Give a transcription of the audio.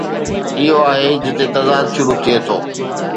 اهو آهي جتي تضاد شروع ٿئي ٿو.